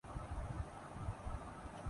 جذبہ نہیں جاگا خان صاحب نے امریکہ میں اعلان